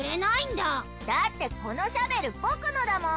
だってこのシャベル僕のだもん！